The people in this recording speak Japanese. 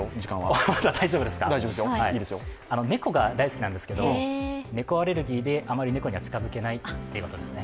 猫が大好きなんですけど、猫アレルギーで、あまり猫には近づけないということですね。